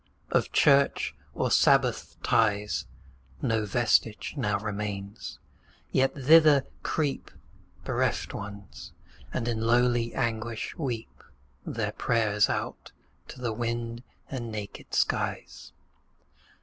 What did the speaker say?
Of church, or sabbath ties, 5 No vestige now remains; yet thither creep Bereft Ones, and in lowly anguish weep Their prayers out to the wind and naked skies.